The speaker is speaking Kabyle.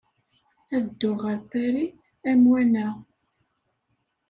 Ad dduɣ ɣer Paris, amwan-a.